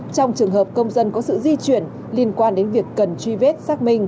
trong trường hợp công dân có sự di chuyển liên quan đến việc cần truy vết xác minh